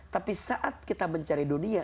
tapi saat kita mencari dunia